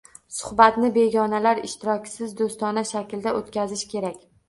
Suhbatni begonalar ishtirokisiz, do‘stona shaklda o‘tkazish kerak.